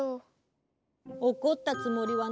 おこったつもりはないんだ。